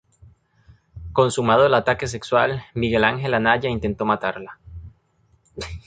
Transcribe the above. Consumado el ataque sexual, Miguel Ángel Anaya intentó matarla.